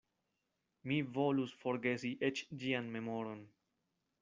Mi volus forgesi eĉ ĝian memoron.